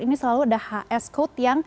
ini selalu ada hs code yang